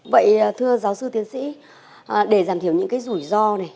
vậy thưa giáo sư tiến sĩ để giảm thiểu những cái rủi ro này